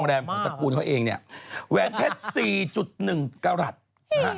ตบปากมาคุณมดดำ